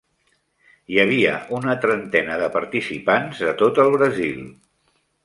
Hi havia una trentena de participants de tot el Brasil.